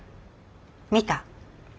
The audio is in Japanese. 見た？